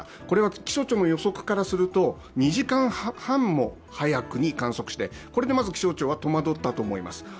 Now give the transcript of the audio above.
これは気象庁の予測からすると、２時間半も早くに観測してこれでまず気象庁は戸惑ったと思います。